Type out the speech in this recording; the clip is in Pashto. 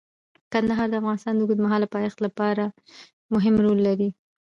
کندهار د افغانستان د اوږدمهاله پایښت لپاره مهم رول لري.